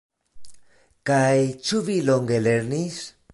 Kaj ĉu vi longe lernis?